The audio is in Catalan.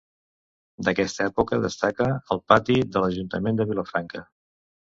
D'aquesta època destaca el pati de l'ajuntament de Vilafranca.